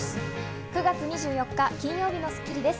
９月２４日、金曜日の『スッキリ』です。